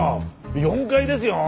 ４階ですよ？